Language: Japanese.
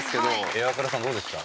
イワクラさんどうでした？